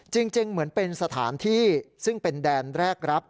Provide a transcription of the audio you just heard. จริงเหมือนเป็นสถานที่ซึ่งเป็นแดนแรกรับ